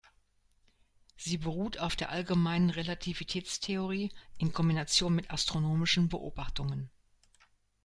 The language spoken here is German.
Sie beruht auf der allgemeinen Relativitätstheorie in Kombination mit astronomischen Beobachtungen.